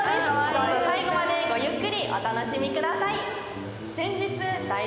どうぞ最後までごゆっくりお楽しみください。